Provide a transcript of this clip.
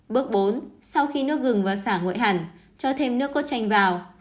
bước bốn sau khi nước gừng và sả nguội hẳn cho thêm nước cốt chanh vào